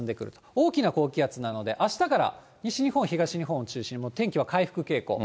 大きな高気圧なので、あしたから西日本、東日本を中心にもう天気は回復傾向。